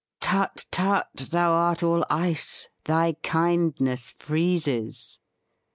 237 ' Tut, tut, thou art all ice — thy kindness freezes !'